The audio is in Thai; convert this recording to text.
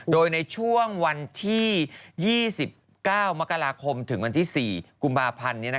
โดยในช่วงวันที่๒๙มกราคมถึงวันที่๔กุมภาพันธ์